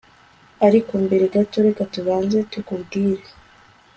ariko mbere gato reka tubanze tukubwire